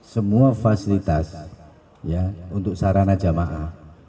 semua fasilitas untuk sarana jamaah